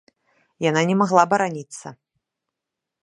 Яна не магла бараніцца.